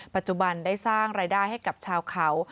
ปัจจุบันได้สร้างรายได้ให้กับชาวเขา